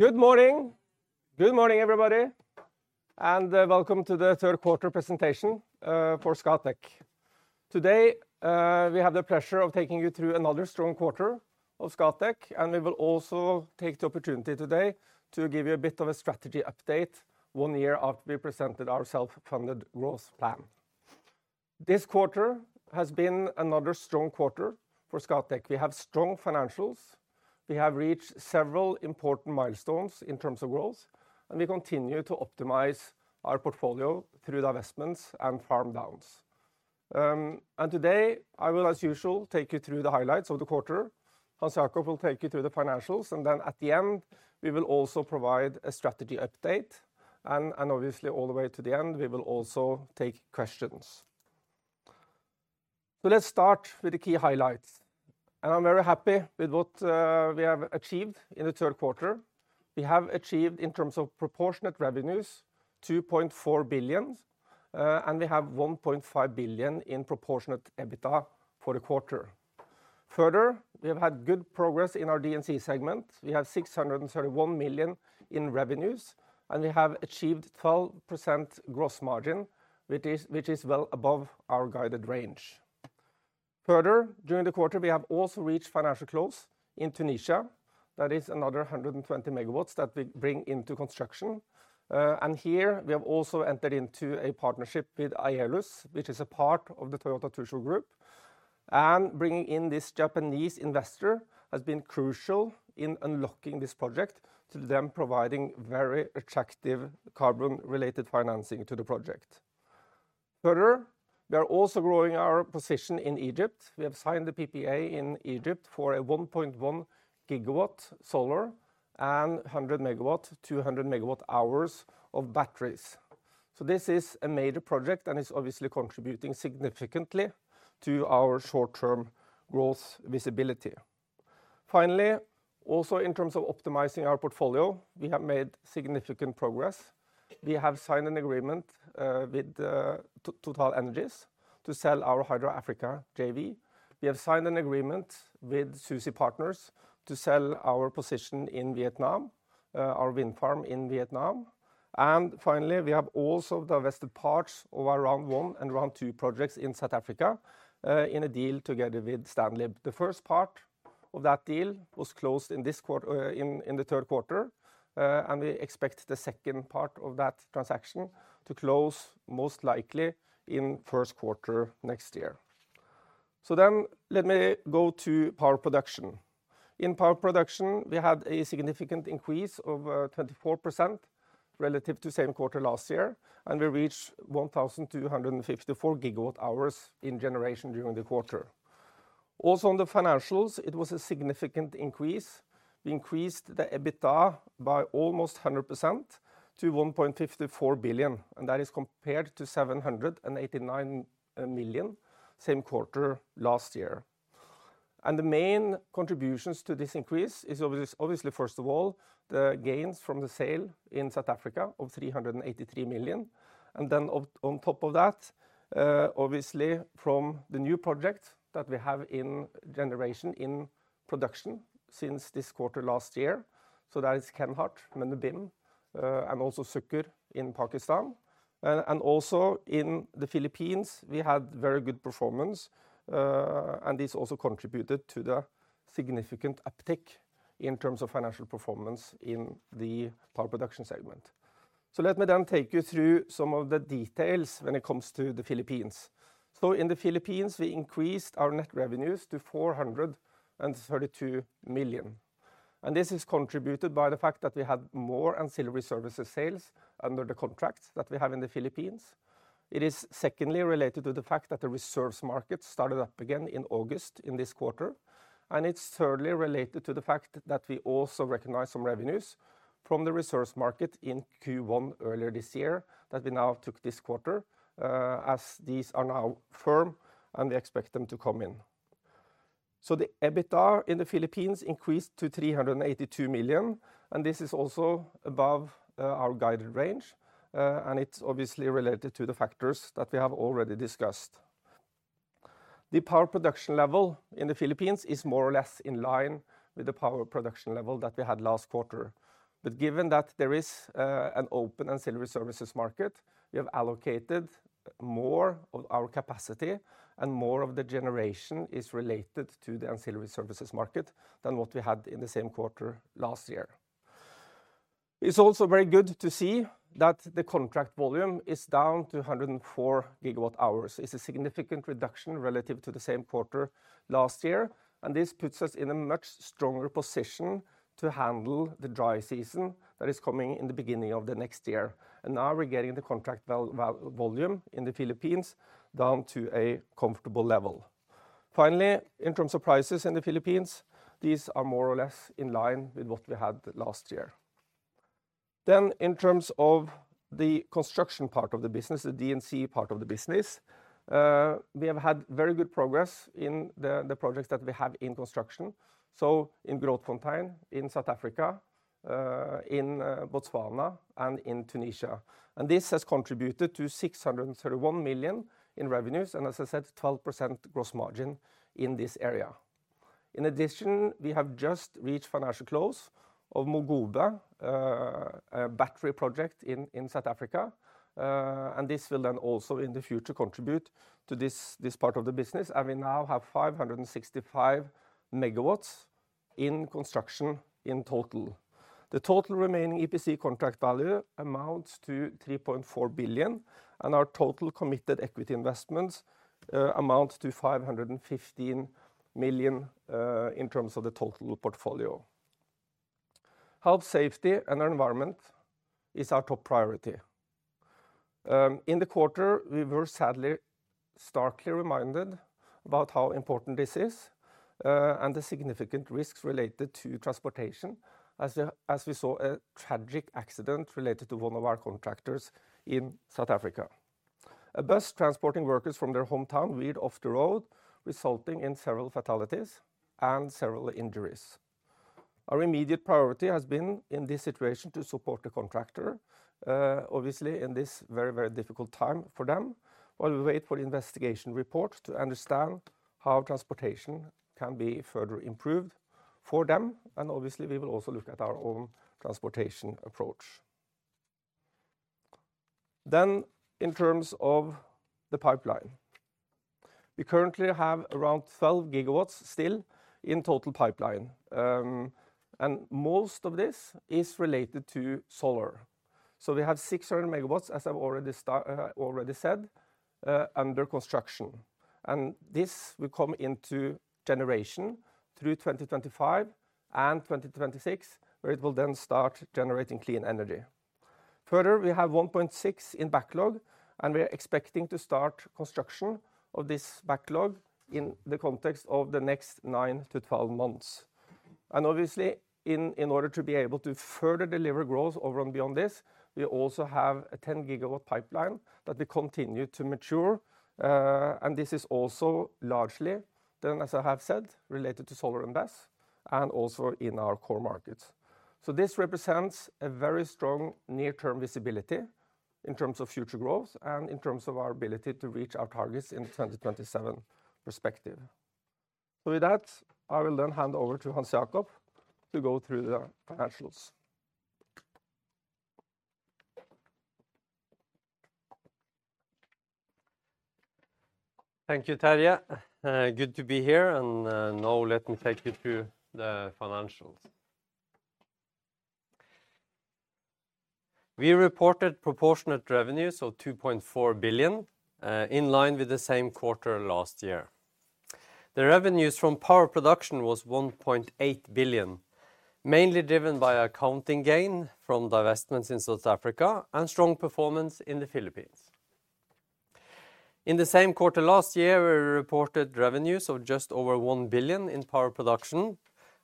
Good morning. Good morning, everybody, and welcome to the third quarter presentation for Scatec. Today, we have the pleasure of taking you through another strong quarter of Scatec, and we will also take the opportunity today to give you a bit of a strategy update one year after we presented our self-funded growth plan. This quarter has been another strong quarter for Scatec. We have strong financials. We have reached several important milestones in terms of growth, and we continue to optimize our portfolio through the investments and farm downs, and today, I will, as usual, take you through the highlights of the quarter. Hans Jakob will take you through the financials, and then at the end, we will also provide a strategy update, and obviously, all the way to the end, we will also take questions, so let's start with the key highlights. I'm very happy with what we have achieved in the third quarter. We have achieved, in terms of proportionate revenues, 2.4 billion, and we have 1.5 billion in proportionate EBITDA for the quarter. Further, we have had good progress in our D&C segment. We have 631 million in revenues, and we have achieved 12% gross margin, which is well above our guided range. Further, during the quarter, we have also reached financial close in Tunisia. That is another 120 megawatts that we bring into construction. And here, we have also entered into a partnership with Aeolus, which is a part of the Toyota Tsusho Group. And bringing in this Japanese investor has been crucial in unlocking this project with them providing very attractive carbon-related financing to the project. Further, we are also growing our position in Egypt. We have signed the PPA in Egypt for a 1.1 gigawatt solar and 100 megawatt, 200 megawatt hours of batteries. So this is a major project, and it's obviously contributing significantly to our short-term growth visibility. Finally, also in terms of optimizing our portfolio, we have made significant progress. We have signed an agreement with TotalEnergies to sell our Hydro Africa JV. We have signed an agreement with SUSI Partners to sell our position in Vietnam, our wind farm in Vietnam. And finally, we have also divested parts of our round one and round two projects in South Africa in a deal together with STANLIB. The first part of that deal was closed in the third quarter, and we expect the second part of that transaction to close most likely in the first quarter next year. So then let me go to power production. In power production, we had a significant increase of 24% relative to the same quarter last year, and we reached 1,254 gigawatt hours in generation during the quarter. Also on the financials, it was a significant increase. We increased the EBITDA by almost 100% to 1.54 billion, and that is compared to 789 million same quarter last year, and the main contributions to this increase is obviously, first of all, the gains from the sale in South Africa of 383 million, and then on top of that, obviously, from the new projects that we have in generation in production since this quarter last year, so that is Kenhardt, Mendubim, and also Sukkur in Pakistan, and also in the Philippines, we had very good performance, and this also contributed to the significant uptick in terms of financial performance in the power production segment. Let me then take you through some of the details when it comes to the Philippines. In the Philippines, we increased our net revenues to 432 million. This is contributed by the fact that we had more ancillary services sales under the contract that we have in the Philippines. It is secondly related to the fact that the reserves market started up again in August in this quarter. It is thirdly related to the fact that we also recognize some revenues from the reserves market in Q1 earlier this year that we now took this quarter, as these are now firm and we expect them to come in. The EBITDA in the Philippines increased to 382 million, and this is also above our guided range, and it is obviously related to the factors that we have already discussed. The power production level in the Philippines is more or less in line with the power production level that we had last quarter. But given that there is an open ancillary services market, we have allocated more of our capacity, and more of the generation is related to the ancillary services market than what we had in the same quarter last year. It's also very good to see that the contract volume is down to 104 gigawatt hours. It's a significant reduction relative to the same quarter last year, and this puts us in a much stronger position to handle the dry season that is coming in the beginning of the next year. And now we're getting the contract volume in the Philippines down to a comfortable level. Finally, in terms of prices in the Philippines, these are more or less in line with what we had last year. Then in terms of the construction part of the business, the D&C part of the business, we have had very good progress in the projects that we have in construction. So in Grootfontein in South Africa, in Botswana, and in Tunisia. And this has contributed to 631 million in revenues and, as I said, 12% gross margin in this area. In addition, we have just reached financial close of Mogobe battery project in South Africa, and this will then also in the future contribute to this part of the business. And we now have 565 megawatts in construction in total. The total remaining EPC contract value amounts to 3.4 billion, and our total committed equity investments amount to 515 million in terms of the total portfolio. Health, safety, and environment is our top priority. In the quarter, we were sadly, starkly reminded about how important this is and the significant risks related to transportation, as we saw a tragic accident related to one of our contractors in South Africa. A bus transporting workers from their hometown veered off the road, resulting in several fatalities and several injuries. Our immediate priority has been in this situation to support the contractor, obviously in this very, very difficult time for them, while we wait for the investigation report to understand how transportation can be further improved for them. And obviously, we will also look at our own transportation approach. Then in terms of the pipeline, we currently have around 12 gigawatts still in total pipeline, and most of this is related to solar. So we have 600 megawatts, as I've already said, under construction. And this will come into generation through 2025 and 2026, where it will then start generating clean energy. Further, we have 1.6 in backlog, and we are expecting to start construction of this backlog in the context of the next 9-12 months. And obviously, in order to be able to further deliver growth over and beyond this, we also have a 10 gigawatt pipeline that will continue to mature. And this is also largely then, as I have said, related to solar and gas and also in our core markets. So this represents a very strong near-term visibility in terms of future growth and in terms of our ability to reach our targets in the 2027 perspective. So with that, I will then hand over to Hans Jakob to go through the financials. Thank you, Terje. Good to be here. Now let me take you through the financials. We reported proportionate revenues of 2.4 billion in line with the same quarter last year. The revenues from power production was 1.8 billion, mainly driven by accounting gain from divestments in South Africa and strong performance in the Philippines. In the same quarter last year, we reported revenues of just over 1 billion in power production,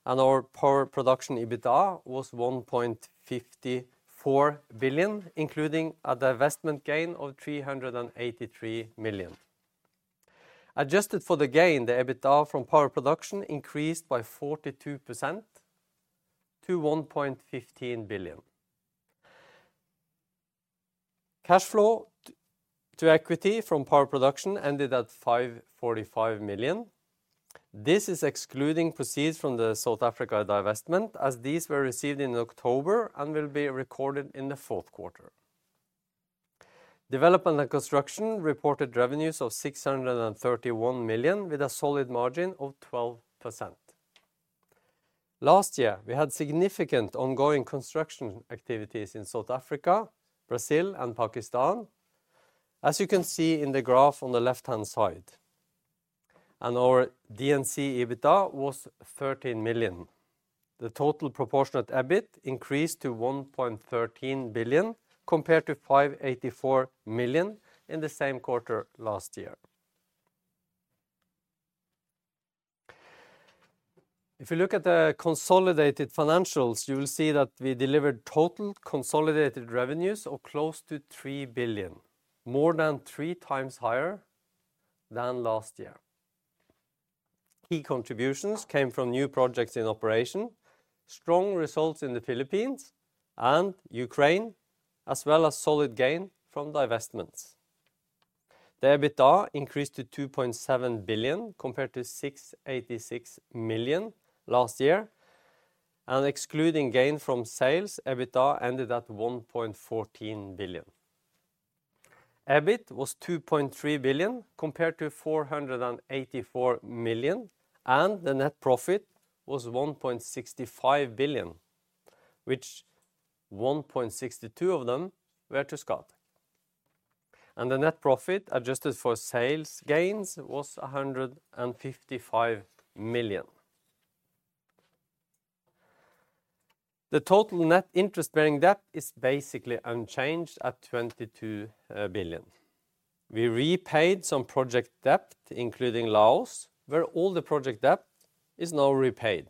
and our power production EBITDA was 1.54 billion, including a divestment gain of 383 million. Adjusted for the gain, the EBITDA from power production increased by 42% to NOK 1.15 billion. Cash flow to equity from power production ended at 545 million. This is excluding proceeds from the South Africa divestment, as these were received in October and will be recorded in the fourth quarter. Development and construction reported revenues of 631 million with a solid margin of 12%. Last year, we had significant ongoing construction activities in South Africa, Brazil, and Pakistan, as you can see in the graph on the left-hand side. And our D&C EBITDA was 13 million. The total proportionate EBIT increased to 1.13 billion compared to 584 million in the same quarter last year. If you look at the consolidated financials, you will see that we delivered total consolidated revenues of close to 3 billion, more than three times higher than last year. Key contributions came from new projects in operation, strong results in the Philippines and Ukraine, as well as solid gain from divestments. The EBITDA increased to 2.7 billion compared to 686 million last year. And excluding gain from sales, EBITDA ended at 1.14 billion. EBIT was 2.3 billion compared to 484 million, and the net profit was 1.65 billion, which 1.62 of them were to Scatec. The net profit adjusted for sales gains was 155 million. The total net interest-bearing debt is basically unchanged at 22 billion. We repaid some project debt, including Laos, where all the project debt is now repaid.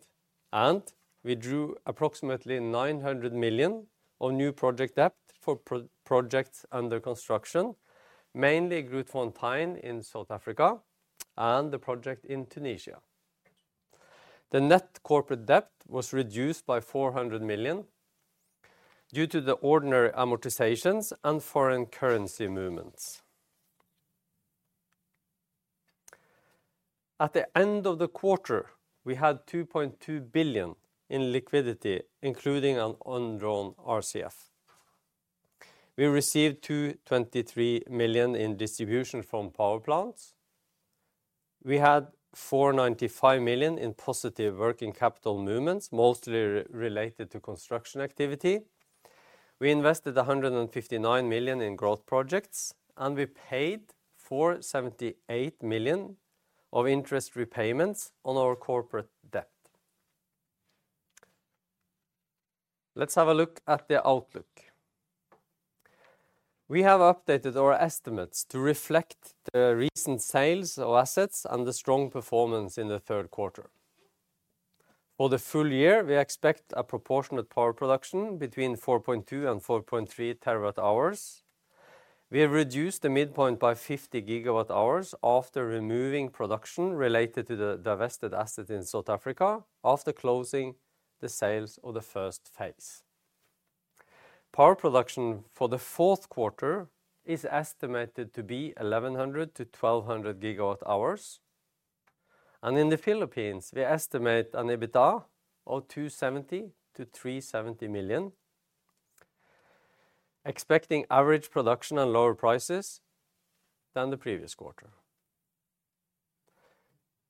We drew approximately 900 million of new project debt for projects under construction, mainly Grootfontein in South Africa and the project in Tunisia. The net corporate debt was reduced by 400 million due to the ordinary amortizations and foreign currency movements. At the end of the quarter, we had 2.2 billion in liquidity, including an undrawn RCF. We received 223 million in distribution from power plants. We had 495 million in positive working capital movements, mostly related to construction activity. We invested 159 million in growth projects, and we paid 478 million of interest repayments on our corporate debt. Let's have a look at the outlook. We have updated our estimates to reflect the recent sales of assets and the strong performance in the third quarter. For the full year, we expect a proportionate power production between 4.2 terawatt hours and 4.3 terawatt hours. We have reduced the midpoint by 50 gigawatt hours after removing production related to the divested asset in South Africa after closing the sales of the first phase. Power production for the fourth quarter is estimated to be 1,100 gigawatt hours-1,200 gigawatt hours. And in the Philippines, we estimate an EBITDA of 270 million-370 million, expecting average production and lower prices than the previous quarter.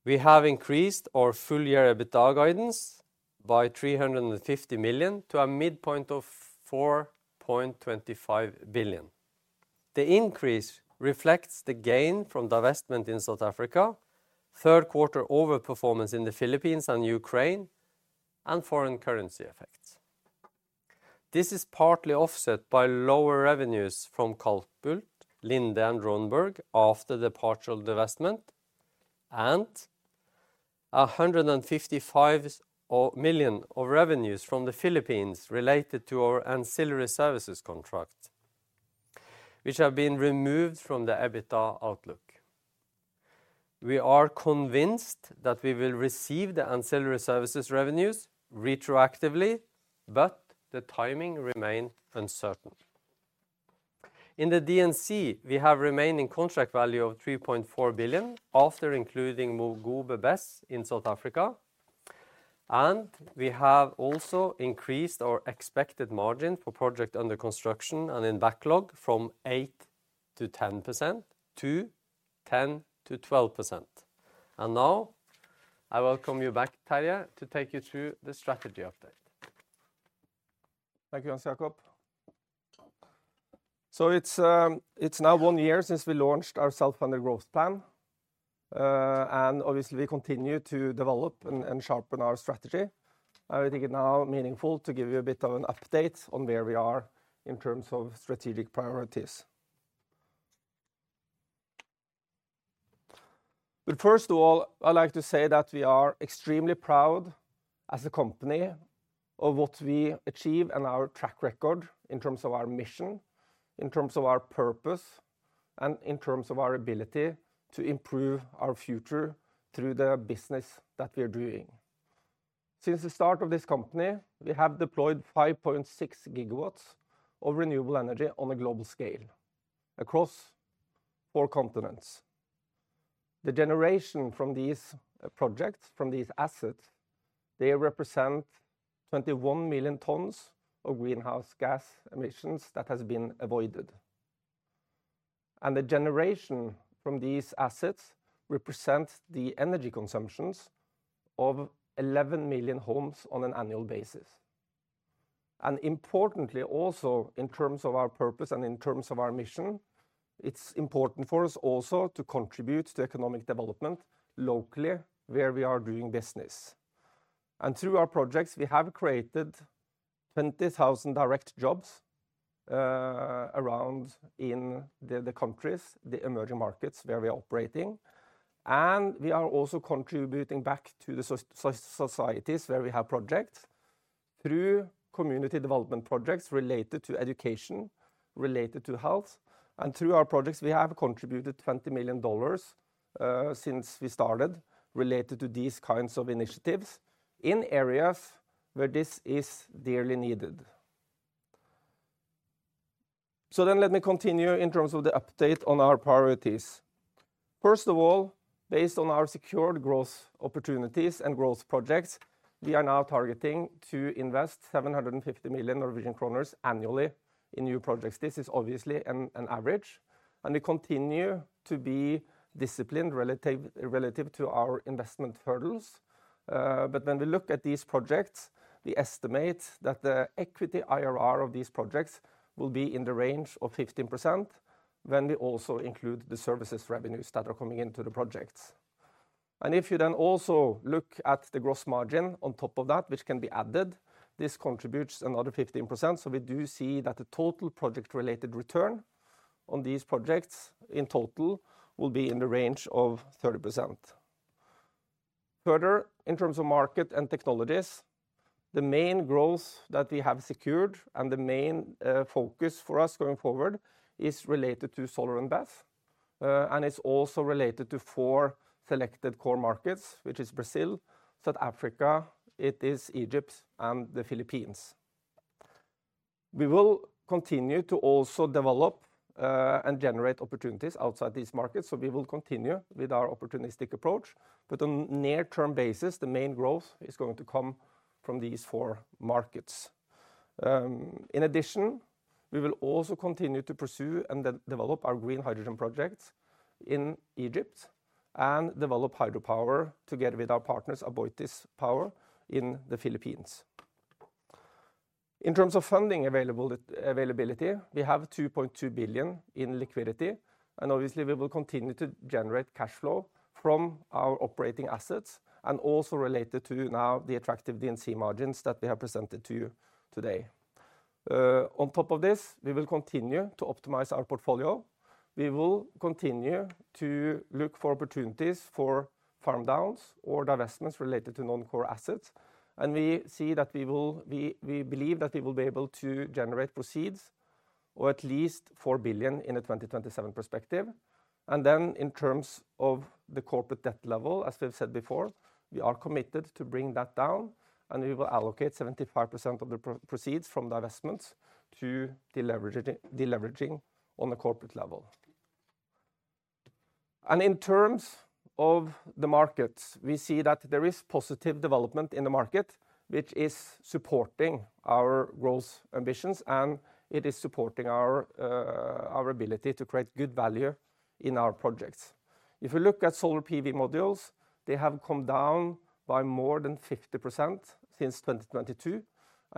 We have increased our full year EBITDA guidance by 350 million to a midpoint of 4.25 billion. The increase reflects the gain from divestment in South Africa, third quarter overperformance in the Philippines and Ukraine, and foreign currency effects. This is partly offset by lower revenues from Kalkbult, Linde, and Dreunberg after the partial divestment, and $155 million of revenues from the Philippines related to our ancillary services contract, which have been removed from the EBITDA outlook. We are convinced that we will receive the ancillary services revenues retroactively, but the timing remains uncertain. In the D&C, we have a remaining contract value of $3.4 billion after including Mogobe BESS in South Africa, and we have also increased our expected margin for project under construction and in backlog from 8%-10% to 10%-12%. And now I welcome you back, Terje, to take you through the strategy update. Thank you, Hans Jakob. So it's now one year since we launched our self-funded growth plan, and obviously we continue to develop and sharpen our strategy. I think it's now meaningful to give you a bit of an update on where we are in terms of strategic priorities. But first of all, I'd like to say that we are extremely proud as a company of what we achieve and our track record in terms of our mission, in terms of our purpose, and in terms of our ability to improve our future through the business that we are doing. Since the start of this company, we have deployed 5.6 gigawatts of renewable energy on a global scale across four continents. The generation from these projects, from these assets, they represent 21 million tons of greenhouse gas emissions that have been avoided. The generation from these assets represents the energy consumptions of 11 million homes on an annual basis. Importantly, also in terms of our purpose and in terms of our mission, it's important for us also to contribute to economic development locally where we are doing business. Through our projects, we have created 20,000 direct jobs around in the countries, the emerging markets where we are operating. We are also contributing back to the societies where we have projects through community development projects related to education, related to health. Through our projects, we have contributed $20 million since we started related to these kinds of initiatives in areas where this is dearly needed. Let me continue in terms of the update on our priorities. First of all, based on our secured growth opportunities and growth projects, we are now targeting to invest 750 million Norwegian kroner annually in new projects. This is obviously an average. And we continue to be disciplined relative to our investment hurdles. But when we look at these projects, we estimate that the equity IRR of these projects will be in the range of 15% when we also include the services revenues that are coming into the projects. And if you then also look at the gross margin on top of that, which can be added, this contributes another 15%. So we do see that the total project-related return on these projects in total will be in the range of 30%. Further, in terms of market and technologies, the main growth that we have secured and the main focus for us going forward is related to solar and gas. It's also related to four selected core markets, which are Brazil, South Africa, Egypt, and the Philippines. We will continue to also develop and generate opportunities outside these markets. We will continue with our opportunistic approach. On a near-term basis, the main growth is going to come from these four markets. In addition, we will also continue to pursue and develop our green hydrogen projects in Egypt and develop hydropower together with our partners, AboitizPower, in the Philippines. In terms of funding availability, we have 2.2 billion in liquidity. Obviously, we will continue to generate cash flow from our operating assets and also related to now the attractive D&C margins that we have presented to you today. On top of this, we will continue to optimize our portfolio. We will continue to look for opportunities for farm downs or divestments related to non-core assets. We see that we will, we believe that we will be able to generate proceeds of at least 4 billion in a 2027 perspective. Then in terms of the corporate debt level, as we've said before, we are committed to bring that down. We will allocate 75% of the proceeds from divestments to the leveraging on a corporate level. In terms of the markets, we see that there is positive development in the market, which is supporting our growth ambitions, and it is supporting our ability to create good value in our projects. If we look at solar PV modules, they have come down by more than 50% since 2022.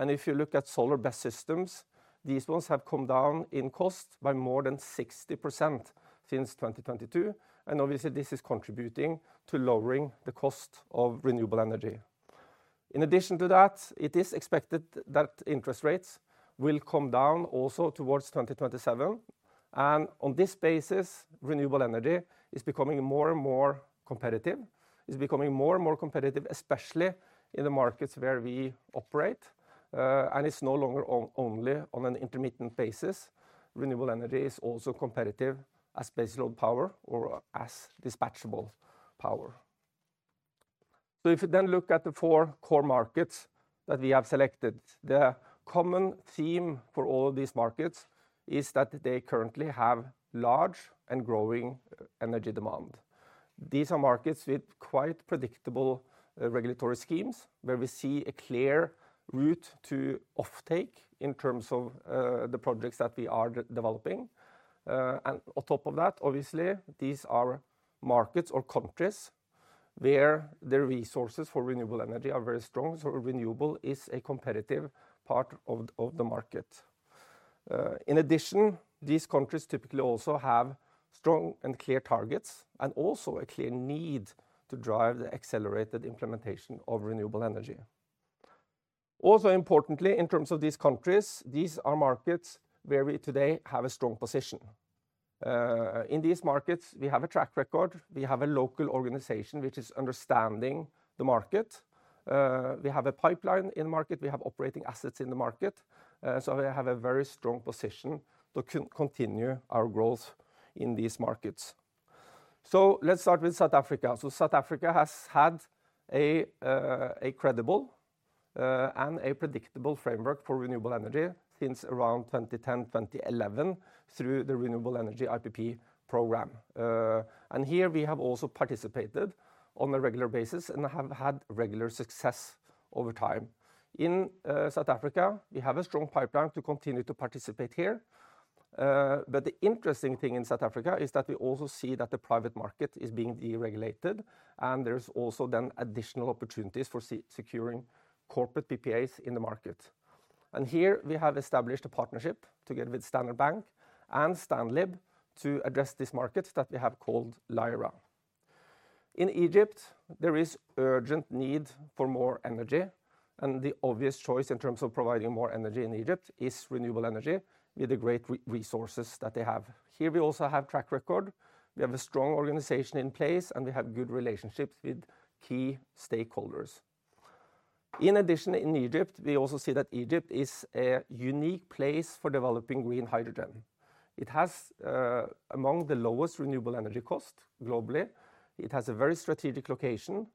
If you look at solar BESS systems, these ones have come down in cost by more than 60% since 2022. Obviously, this is contributing to lowering the cost of renewable energy. In addition to that, it is expected that interest rates will come down also towards 2027. On this basis, renewable energy is becoming more and more competitive. It's becoming more and more competitive, especially in the markets where we operate. It's no longer only on an intermittent basis. Renewable energy is also competitive as baseload power or as dispatchable power. If you then look at the four core markets that we have selected, the common theme for all of these markets is that they currently have large and growing energy demand. These are markets with quite predictable regulatory schemes where we see a clear route to offtake in terms of the projects that we are developing, and on top of that, obviously, these are markets or countries where their resources for renewable energy are very strong, so renewable is a competitive part of the market. In addition, these countries typically also have strong and clear targets and also a clear need to drive the accelerated implementation of renewable energy. Also importantly, in terms of these countries, these are markets where we today have a strong position. In these markets, we have a track record. We have a local organization which is understanding the market. We have a pipeline in the market. We have operating assets in the market, so we have a very strong position to continue our growth in these markets, so let's start with South Africa. South Africa has had a credible and a predictable framework for renewable energy since around 2010, 2011 through the Renewable Energy IPP program. Here we have also participated on a regular basis and have had regular success over time. In South Africa, we have a strong pipeline to continue to participate here. The interesting thing in South Africa is that we also see that the private market is being deregulated, and there's also then additional opportunities for securing corporate PPAs in the market. Here we have established a partnership together with Standard Bank and STANLIB to address this market that we have called Lyra. In Egypt, there is an urgent need for more energy. The obvious choice in terms of providing more energy in Egypt is renewable energy with the great resources that they have. Here we also have a track record. We have a strong organization in place, and we have good relationships with key stakeholders. In addition, in Egypt, we also see that Egypt is a unique place for developing green hydrogen. It has among the lowest renewable energy costs globally. It has a very strategic location,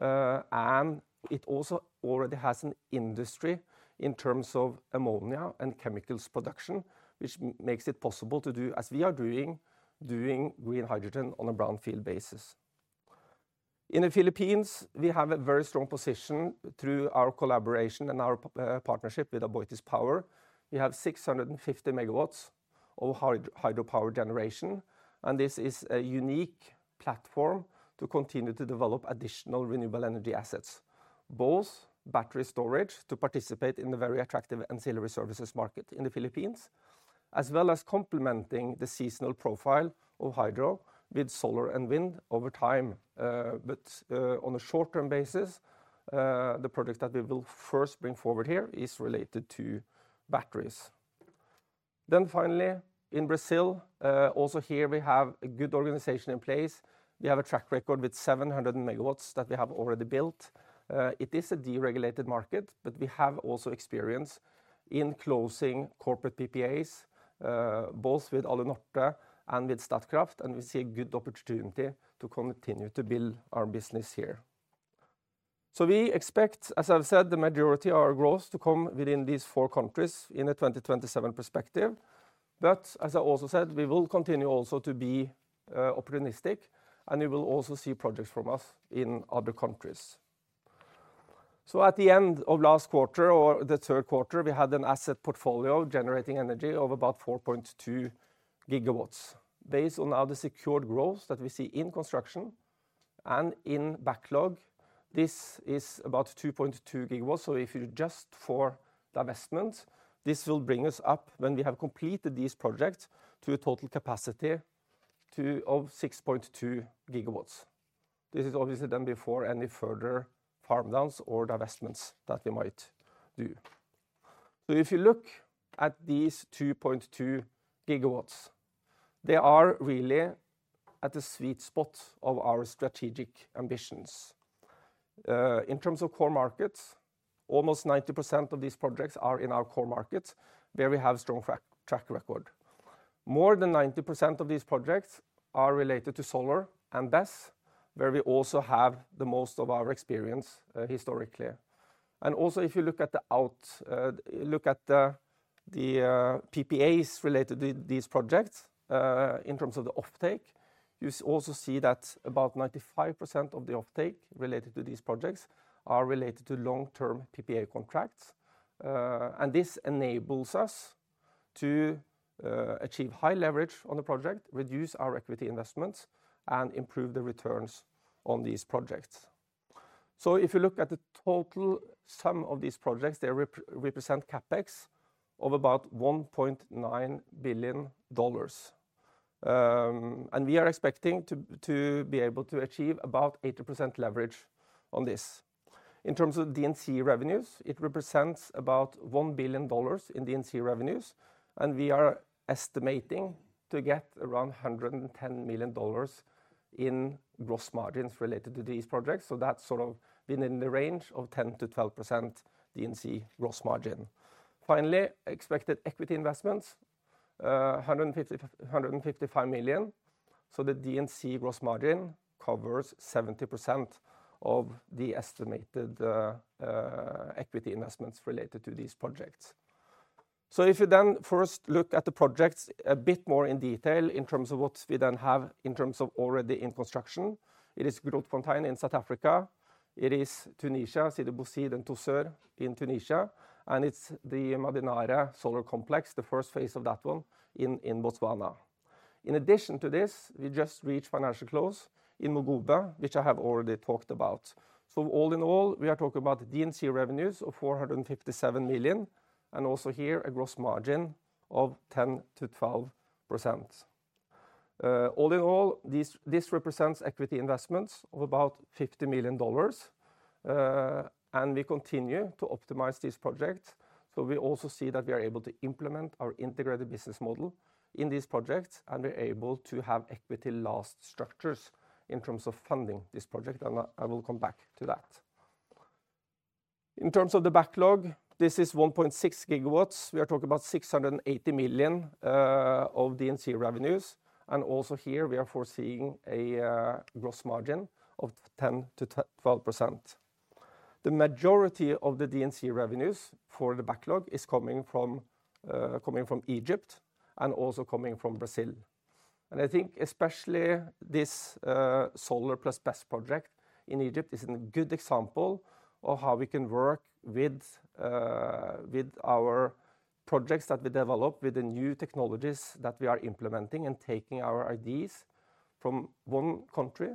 and it also already has an industry in terms of ammonia and chemicals production, which makes it possible to do, as we are doing, doing green hydrogen on a brownfield basis. In the Philippines, we have a very strong position through our collaboration and our partnership with AboitizPower. We have 650 megawatts of hydropower generation, and this is a unique platform to continue to develop additional renewable energy assets, both battery storage to participate in the very attractive ancillary services market in the Philippines, as well as complementing the seasonal profile of hydro with solar and wind over time. But on a short-term basis, the project that we will first bring forward here is related to batteries. Then finally, in Brazil, also here we have a good organization in place. We have a track record with 700 megawatts that we have already built. It is a deregulated market, but we have also experience in closing corporate PPAs, both with Hydro Alunorte and with Statkraft, and we see a good opportunity to continue to build our business here. So we expect, as I've said, the majority of our growth to come within these four countries in a 2027 perspective. But as I also said, we will continue also to be opportunistic, and you will also see projects from us in other countries. So at the end of last quarter or the third quarter, we had an asset portfolio generating energy of about 4.2 gigawatts. Based on now the secured growth that we see in construction and in backlog, this is about 2.2 gigawatts. So if you just for divestment, this will bring us up when we have completed these projects to a total capacity of 6.2 gigawatts. This is obviously then before any further farm downs or divestments that we might do. So if you look at these 2.2 gigawatts, they are really at the sweet spot of our strategic ambitions. In terms of core markets, almost 90% of these projects are in our core markets where we have a strong track record. More than 90% of these projects are related to solar and BESS, where we also have the most of our experience historically. And also, if you look at the PPAs related to these projects in terms of the offtake, you also see that about 95% of the offtake related to these projects are related to long-term PPA contracts. And this enables us to achieve high leverage on the project, reduce our equity investments, and improve the returns on these projects. So if you look at the total sum of these projects, they represent CapEx of about $1.9 billion. And we are expecting to be able to achieve about 80% leverage on this. In terms of D&C revenues, it represents about $1 billion in D&C revenues. And we are estimating to get around $110 million in gross margins related to these projects. So that's sort of been in the range of 10%-12% D&C gross margin. Finally, expected equity investments, $155 million. So the D&C gross margin covers 70% of the estimated equity investments related to these projects. So if you then first look at the projects a bit more in detail in terms of what we then have in terms of already in construction, it is Grootfontein in South Africa. It is Tunisia, Sidi Bouzid and Tozeur in Tunisia. And it's the Mmadinare Solar Complex, the first phase of that one in Botswana. In addition to this, we just reached financial close in Mogobe, which I have already talked about. So all in all, we are talking about D&C revenues of $457 million and also here a gross margin of 10%-12%. All in all, this represents equity investments of about $50 million. And we continue to optimize these projects. So we also see that we are able to implement our integrated business model in these projects, and we're able to have equity-last structures in terms of funding this project. And I will come back to that. In terms of the backlog, this is 1.6 gigawatts. We are talking about 680 million of D&C revenues. And also here, we are foreseeing a gross margin of 10%-12%. The majority of the D&C revenues for the backlog is coming from Egypt and also coming from Brazil. And I think especially this solar plus BESS project in Egypt is a good example of how we can work with our projects that we develop with the new technologies that we are implementing and taking our ideas from one country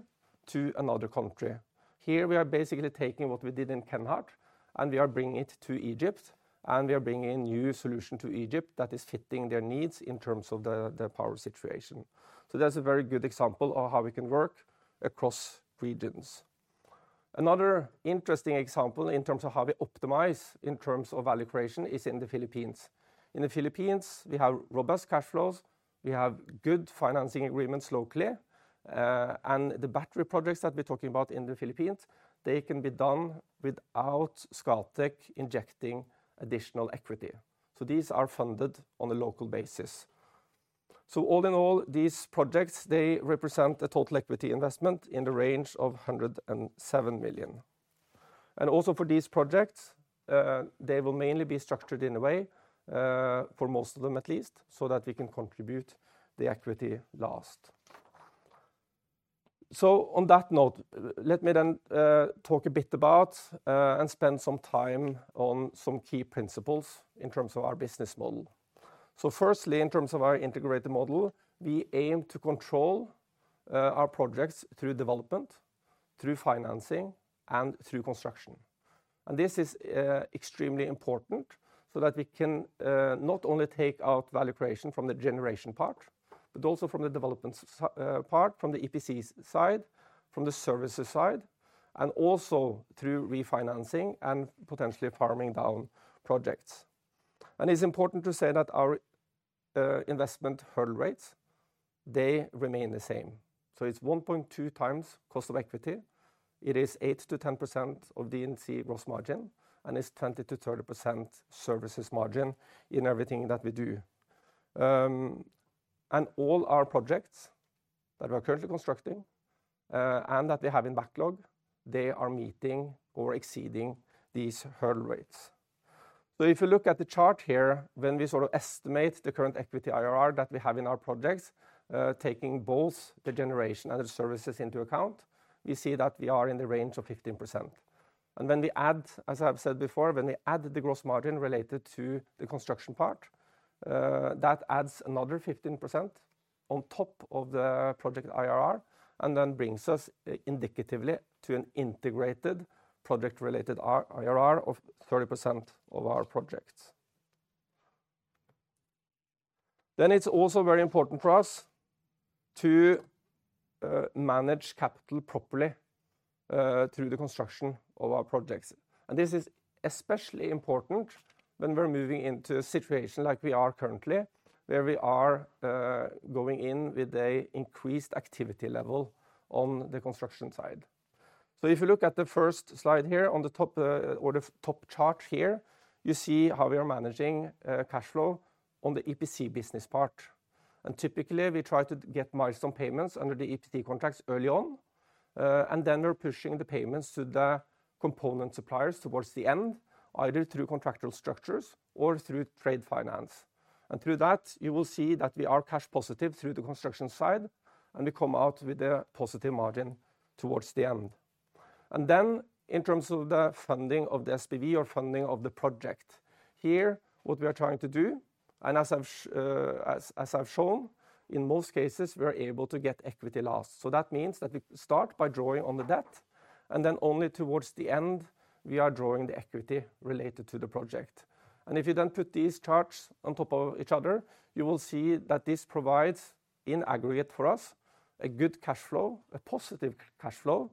to another country. Here we are basically taking what we did in Kenhardt and we are bringing it to Egypt and we are bringing a new solution to Egypt that is fitting their needs in terms of the power situation. So that's a very good example of how we can work across regions. Another interesting example in terms of how we optimize in terms of value creation is in the Philippines. In the Philippines, we have robust cash flows. We have good financing agreements locally. And the battery projects that we're talking about in the Philippines, they can be done without Scatec injecting additional equity. So these are funded on a local basis. So all in all, these projects, they represent a total equity investment in the range of 107 million. And also for these projects, they will mainly be structured in a way for most of them at least so that we can contribute the equity last. So on that note, let me then talk a bit about and spend some time on some key principles in terms of our business model. So firstly, in terms of our integrated model, we aim to control our projects through development, through financing, and through construction. And this is extremely important so that we can not only take out value creation from the generation part, but also from the development part, from the EPC side, from the services side, and also through refinancing and potentially farming down projects. And it's important to say that our investment hurdle rates, they remain the same. So it's 1.2 times cost of equity. It is 8%-10% of D&C gross margin and is 20%-30% services margin in everything that we do. And all our projects that we are currently constructing and that we have in backlog, they are meeting or exceeding these hurdle rates. So if you look at the chart here, when we sort of estimate the current equity IRR that we have in our projects, taking both the generation and the services into account, we see that we are in the range of 15%. And when we add, as I've said before, when we add the gross margin related to the construction part, that adds another 15% on top of the project IRR and then brings us indicatively to an integrated project-related IRR of 30% of our projects. Then it is also very important for us to manage capital properly through the construction of our projects. This is especially important when we're moving into a situation like we are currently, where we are going in with an increased activity level on the construction side. If you look at the first slide here on the top or the top chart here, you see how we are managing cash flow on the EPC business part. Typically, we try to get milestone payments under the EPC contracts early on, and then we're pushing the payments to the component suppliers towards the end, either through contractual structures or through trade finance. Through that, you will see that we are cash positive through the construction side, and we come out with a positive margin towards the end. And then, in terms of the funding of the SPV or funding of the project, here what we are trying to do, and as I've shown, in most cases, we are able to get equity last. So that means that we start by drawing on the debt, and then only towards the end, we are drawing the equity related to the project. And if you then put these charts on top of each other, you will see that this provides in aggregate for us a good cash flow, a positive cash flow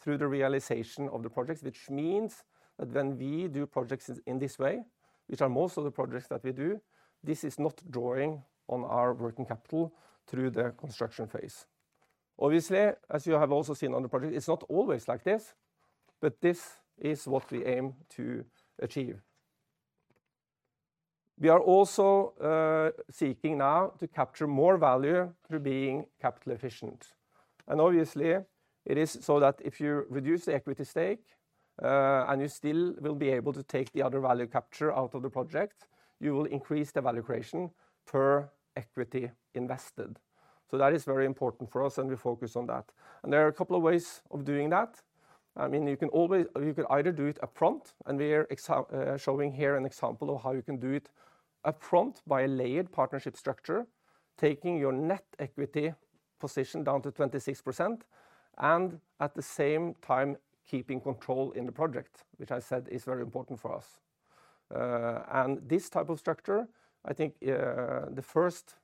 through the realization of the projects, which means that when we do projects in this way, which are most of the projects that we do, this is not drawing on our working capital through the construction phase. Obviously, as you have also seen on the project, it's not always like this, but this is what we aim to achieve. We are also seeking now to capture more value through being capital efficient. And obviously, it is so that if you reduce the equity stake and you still will be able to take the other value capture out of the project, you will increase the value creation per equity invested. So that is very important for us, and we focus on that. And there are a couple of ways of doing that. I mean, you can always either do it upfront, and we are showing here an example of how you can do it upfront by a layered partnership structure, taking your net equity position down to 26% and at the same time keeping control in the project, which I said is very important for us. And this type of structure, I think the first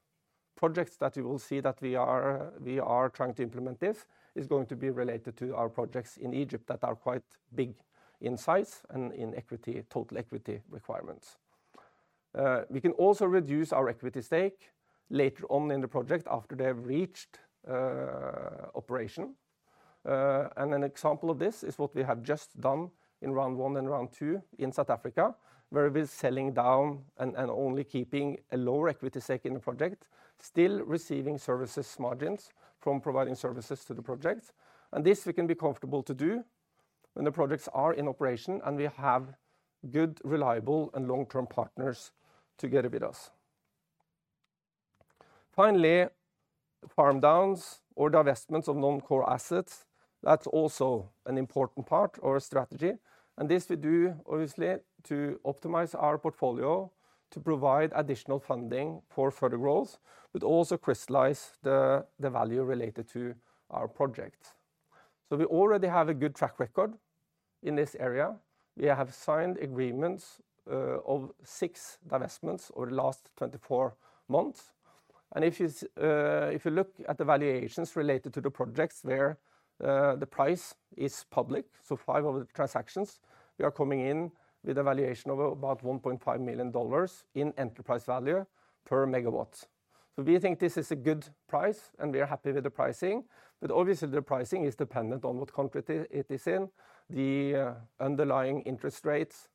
projects that you will see that we are trying to implement this is going to be related to our projects in Egypt that are quite big in size and in equity total equity requirements. We can also reduce our equity stake later on in the project after they've reached operation. And an example of this is what we have just done in round one and round two in South Africa, where we're selling down and only keeping a lower equity stake in the project, still receiving services margins from providing services to the project. And this we can be comfortable to do when the projects are in operation and we have good, reliable, and long-term partners together with us. Finally, farm downs or divestments of non-core assets, that's also an important part or a strategy. This we do obviously to optimize our portfolio to provide additional funding for further growth, but also crystallize the value related to our projects. So we already have a good track record in this area. We have signed agreements of six divestments over the last 24 months. And if you look at the valuations related to the projects where the price is public, so five of the transactions, we are coming in with a valuation of about $1.5 million in enterprise value per megawatt. So we think this is a good price, and we are happy with the pricing. But obviously, the pricing is dependent on what country it is in, the underlying interest rates,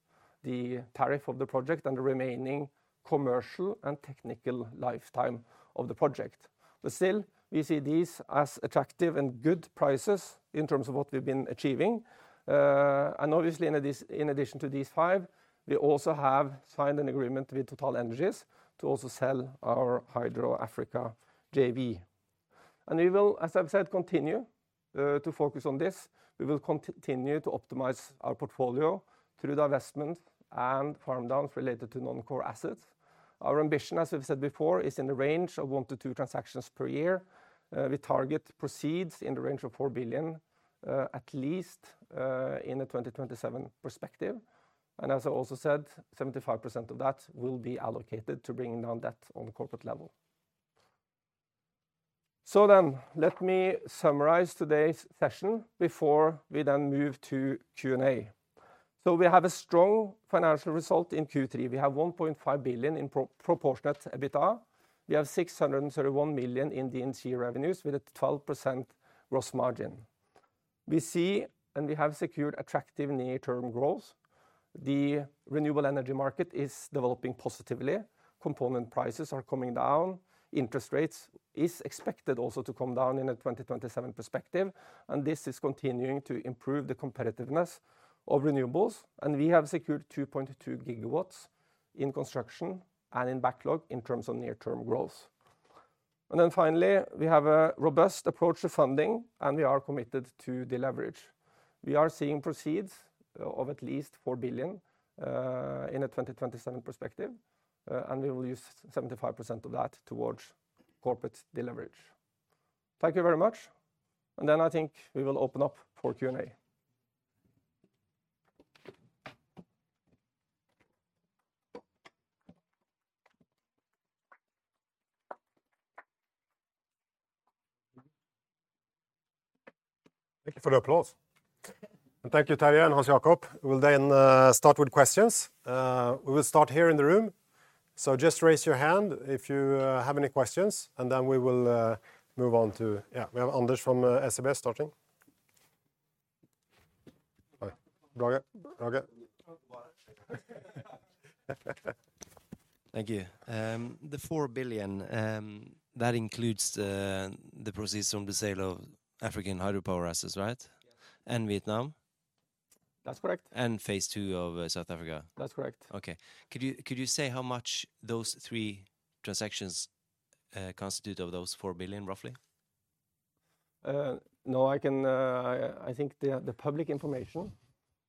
the tariff of the project, and the remaining commercial and technical lifetime of the project. But still, we see these as attractive and good prices in terms of what we've been achieving. Obviously, in addition to these five, we also have signed an agreement with TotalEnergies to also sell our Hydro Africa JV. We will, as I've said, continue to focus on this. We will continue to optimize our portfolio through divestments and farm downs related to non-core assets. Our ambition, as we've said before, is in the range of one to two transactions per year. We target proceeds in the range of 4 billion at least in a 2027 perspective. As I also said, 75% of that will be allocated to bringing down debt on the corporate level. Then, let me summarize today's session before we then move to Q&A. We have a strong financial result in Q3. We have 1.5 billion in proportionate EBITDA. We have 631 million in D&C revenues with a 12% gross margin. We see and we have secured attractive near-term growth. The renewable energy market is developing positively. Component prices are coming down. Interest rates are expected also to come down in a 2027 perspective, and this is continuing to improve the competitiveness of renewables, and we have secured 2.2 gigawatts in construction and in backlog in terms of near-term growth. And then finally, we have a robust approach to funding, and we are committed to deleverage. We are seeing proceeds of at least 4 billion in a 2027 perspective, and we will use 75% of that towards corporate deleverage. Thank you very much, and then I think we will open up for Q&A. Thank you for the applause, and thank you, Terje and Hans Jakob. We will then start with questions. We will start here in the room. So just raise your hand if you have any questions, and then we will move on to, yeah, we have Anders from SEB starting. Thank you. The 4 billion, that includes the proceeds from the sale of African hydropower assets, right? And Vietnam? That's correct. And phase two of South Africa? That's correct. Okay. Could you say how much those three transactions constitute of those 4 billion, roughly? No, I think the public information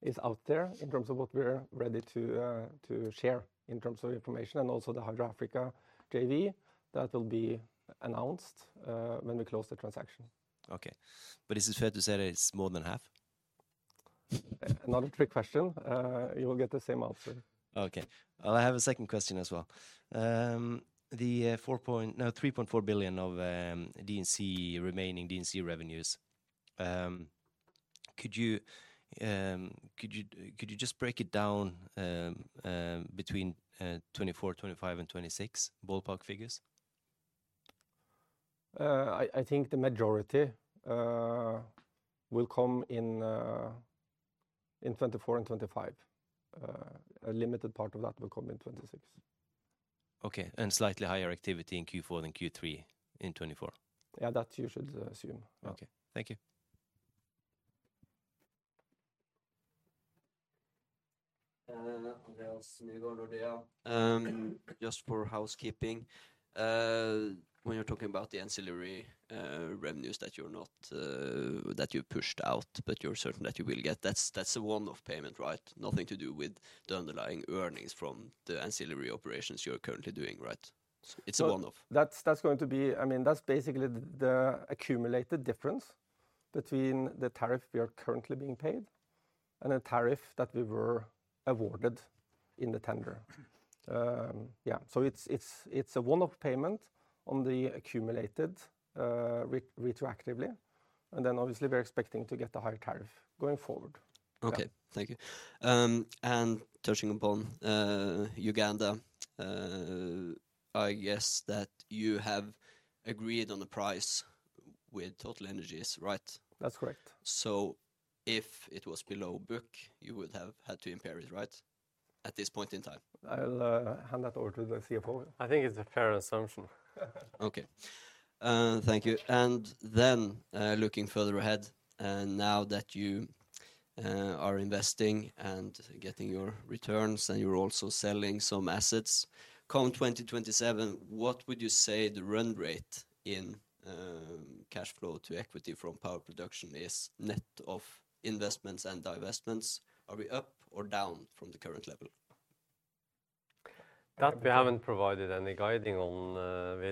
is out there in terms of what we're ready to share in terms of information and also the Hydro Africa JV that will be announced when we close the transaction. Okay. But is it fair to say that it's more than half? Another trick question. You will get the same answer. Okay. I have a second question as well. The 3.4 billion of remaining D&C revenues, could you just break it down between 2024, 2025, and 2026 ballpark figures? I think the majority will come in 2024 and 2025. A limited part of that will come in 2026. Okay. And slightly higher activity in Q4 than Q3 in 2024? Yeah, that you should assume. Okay. Thank you. Just for housekeeping, when you're talking about the ancillary revenues that you're not, that you pushed out, but you're certain that you will get, that's a one-off payment, right? Nothing to do with the underlying earnings from the ancillary operations you're currently doing, right? It's a one-off. That's going to be, I mean, that's basically the accumulated difference between the tariff we are currently being paid and the tariff that we were awarded in the tender. Yeah. So it's a one-off payment on the accumulated retroactively. And then obviously, we're expecting to get a higher tariff going forward. Okay. Thank you. And touching upon Uganda, I guess that you have agreed on a price with TotalEnergies, right? That's correct. So if it was below book, you would have had to impair it, right? At this point in time. I'll hand that over to the CFO. I think it's a fair assumption. Okay. Thank you. And then looking further ahead, now that you are investing and getting your returns and you're also selling some assets, come 2027, what would you say the run rate in cash flow to equity from power production is net of investments and divestments? Are we up or down from the current level? That we haven't provided any guidance on.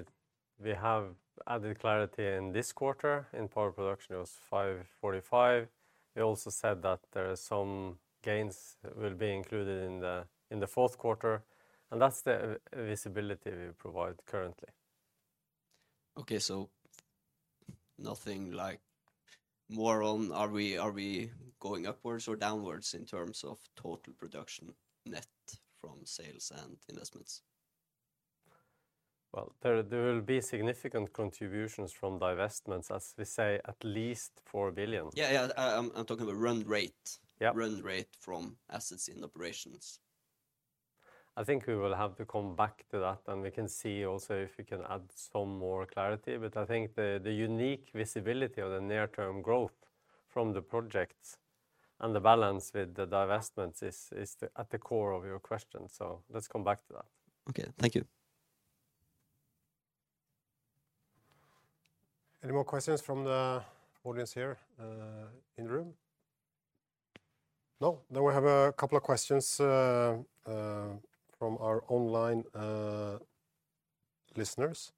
We have added clarity in this quarter in power production. It was 545. We also said that there are some gains that will be included in the fourth quarter, and that's the visibility we provide currently. Okay. So nothing like more on are we going upwards or downwards in terms of total production net from sales and investments, well, there will be significant contributions from divestments, as we say, at least 4 billion. Yeah, yeah. I'm talking about run rate. Run rate from assets in operations. I think we will have to come back to that, and we can see also if we can add some more clarity, but I think the unique visibility of the near-term growth from the projects and the balance with the divestments is at the core of your question, so let's come back to that. Okay. Thank you. Any more questions from the audience here in the room? No. Then we have a couple of questions from our online listeners.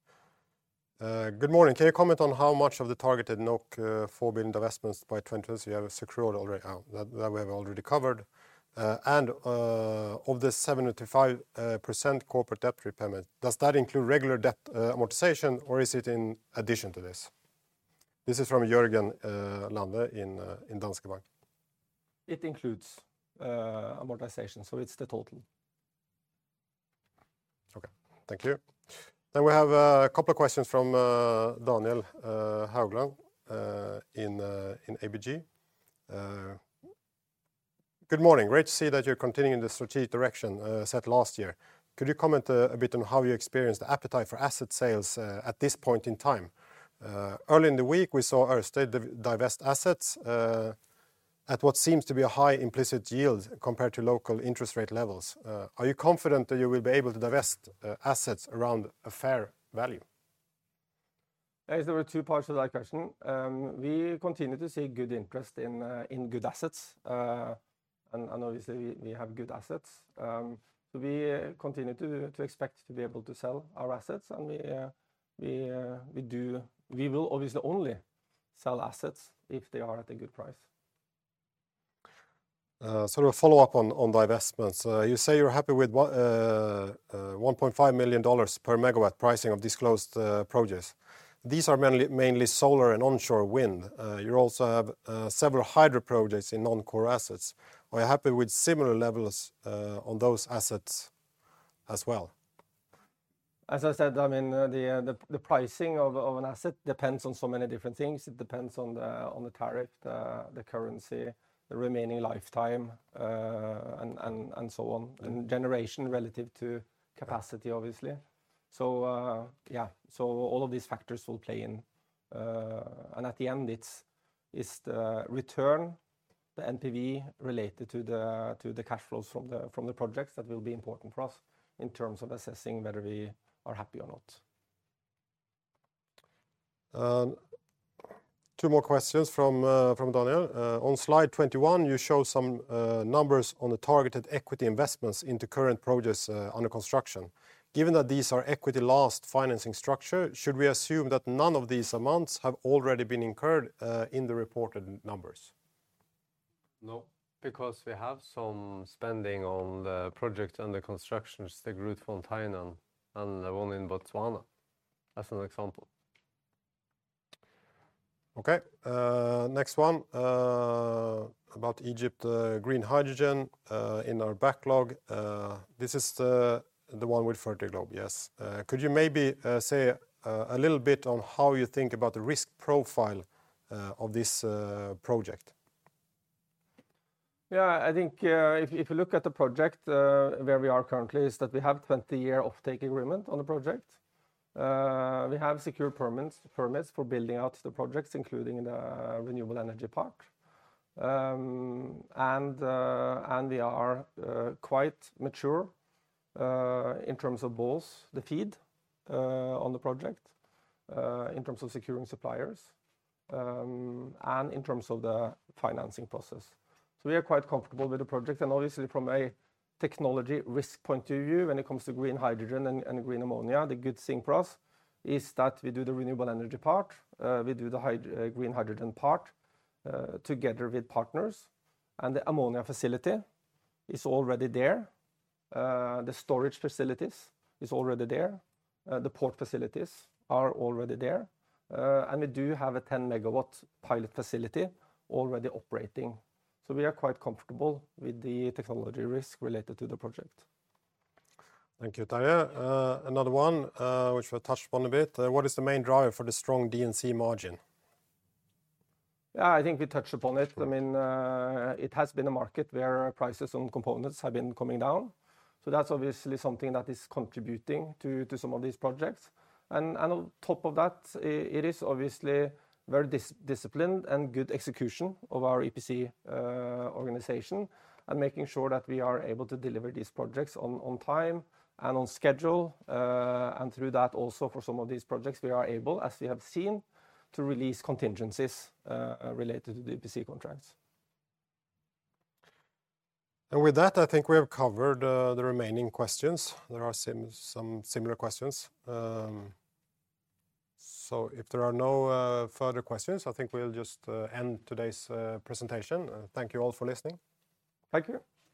Good morning. Can you comment on how much of the targeted NOK 4 billion divestments by 2023 you have secured already? That we have already covered. And of the 75% corporate debt repayment, does that include regular debt amortization, or is it in addition to this? This is from Jørgen Lande in Danske Bank. It includes amortization, so it's the total. Okay. Thank you. Then we have a couple of questions from Daniel Haugland in ABG. Good morning. Great to see that you're continuing the strategic direction set last year. Could you comment a bit on how you experience the appetite for asset sales at this point in time? Early in the week, we saw Ørsted divest assets at what seems to be a high implicit yield compared to local interest rate levels. Are you confident that you will be able to divest assets around a fair value? There are two parts to that question. We continue to see good interest in good assets, and obviously, we have good assets, so we continue to expect to be able to sell our assets, and we will obviously only sell assets if they are at a good price. So a follow-up on divestments. You say you're happy with $1.5 million per megawatt pricing of disclosed projects. These are mainly solar and onshore wind. You also have several hydro projects in non-core assets. Are you happy with similar levels on those assets as well? As I said, I mean, the pricing of an asset depends on so many different things. It depends on the tariff, the currency, the remaining lifetime, and so on, and generation relative to capacity, obviously. So yeah, so all of these factors will play in. And at the end, it's the return, the NPV related to the cash flows from the projects that will be important for us in terms of assessing whether we are happy or not. Two more questions from Daniel. On slide 21, you show some numbers on the targeted equity investments into current projects under construction. Given that these are equity last financing structure, should we assume that none of these amounts have already been incurred in the reported numbers? No, because we have some spending on the projects under construction, the one in South Africa, and the one in Botswana as an example. Okay. Next one about Egypt Green Hydrogen in our backlog. This is the one with Fertiglobe, yes. Could you maybe say a little bit on how you think about the risk profile of this project? Yeah, I think if you look at the project where we are currently, it's that we have a 20-year off-take agreement on the project. We have secured permits for building out the projects, including the renewable energy park. And we are quite mature in terms of both the FEED on the project, in terms of securing suppliers, and in terms of the financing process. So we are quite comfortable with the project. And obviously, from a technology risk point of view, when it comes to green hydrogen and green ammonia, the good thing for us is that we do the renewable energy part. We do the green hydrogen part together with partners. And the ammonia facility is already there. The storage facilities are already there. The port facilities are already there. And we do have a 10-megawatt pilot facility already operating. So we are quite comfortable with the technology risk related to the project. Thank you, Terje. Another one, which we've touched upon a bit. What is the main driver for the strong D&C margin? Yeah, I think we touched upon it. I mean, it has been a market where prices on components have been coming down. So that's obviously something that is contributing to some of these projects. And on top of that, it is obviously very disciplined and good execution of our EPC organization and making sure that we are able to deliver these projects on time and on schedule. And through that, also for some of these projects, we are able, as we have seen, to release contingencies related to the EPC contracts. And with that, I think we have covered the remaining questions. There are some similar questions. So if there are no further questions, I think we'll just end today's presentation. Thank you all for listening. Thank you.